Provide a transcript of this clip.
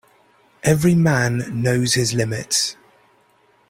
Every man knows his limits.